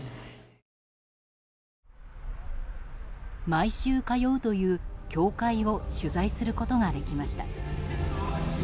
毎週通うという教会を取材することができました。